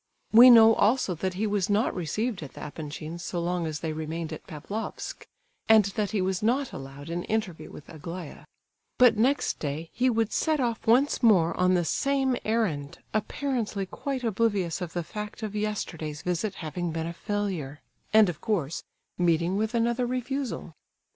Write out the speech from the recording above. We know also that he was not received at the Epanchins' so long as they remained at Pavlofsk, and that he was not allowed an interview with Aglaya;—but next day he would set off once more on the same errand, apparently quite oblivious of the fact of yesterday's visit having been a failure,—and, of course, meeting with another refusal.